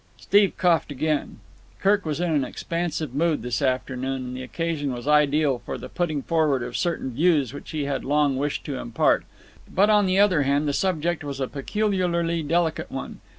Steve coughed again. Kirk was in an expansive mood this afternoon, and the occasion was ideal for the putting forward of certain views which he had long wished to impart. But, on the other hand, the subject was a peculiarly delicate one.